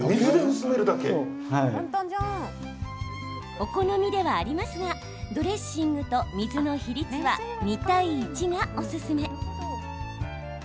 お好みではありますがドレッシングと水の比率は２対１がおすすめ。